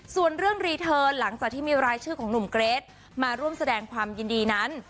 ส่วนเรื่องรีเทิร์นหลังจากที่มีรายชื่อของหนุ่มเกรทมาร่วมแสดงความยินดีนั้น